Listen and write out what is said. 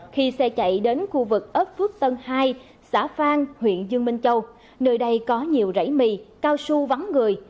khi xe chạy đến khu vực ấp phước tân hai xã phan huyện dương minh châu nơi đây có nhiều rảy mì cao su vắng người